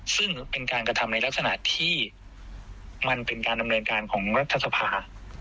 ซึ่งเป็นการกระทำในลักษณะที่มันเป็นการดำเนินการของรัฐสภา